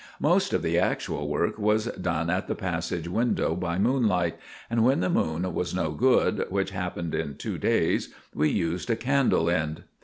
Most of the actual work was done at the passage window by moonlight; and when the moon was no good, which happened in two days, we used a candle end.